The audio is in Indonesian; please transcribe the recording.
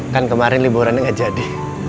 kan kemarin liburan gak jadi